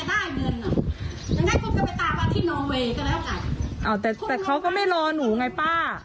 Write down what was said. ยังไงคุณก็ไปตามมาที่นอเวย์ก็แล้วค่ะอ่าแต่แต่เขาก็ไม่รอหนูไงป้า